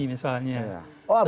seperti nabi bin nabi bin